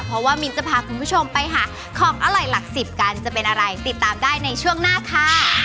เพราะว่ามินจะพาคุณผู้ชมไปหาของอร่อยหลักสิบกันจะเป็นอะไรติดตามได้ในช่วงหน้าค่ะ